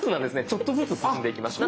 ちょっとずつ進んでいきます。